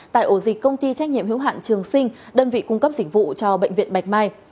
tại ổ dịch công ty trách nhiệm hiếu hạn trường sinh đơn vị cung cấp dịch vụ cho bệnh viện bạch mai